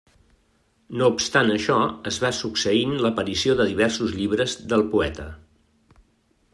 No obstant això, es va succeint l'aparició de diversos llibres del poeta.